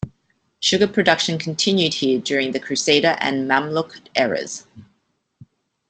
Sugar production continued here during the Crusader and Mamluk eras.